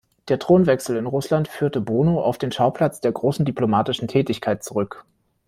Der Thronwechsel in Russland führte Brunnow auf den Schauplatz der großen diplomatischen Tätigkeit zurück.